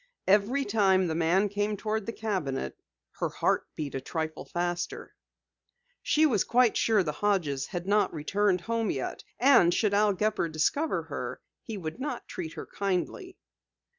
Every time the man came toward the cabinet her heart beat a trifle faster. She was quite sure the Hodges had not yet returned home, and should Al Gepper discover her, he would not treat her kindly.